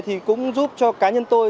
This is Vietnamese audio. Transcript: thì cũng giúp cho cá nhân tôi